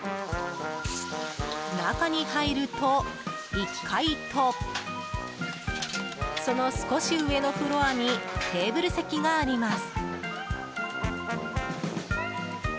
中に入ると１階とその少し上のフロアにテーブル席があります。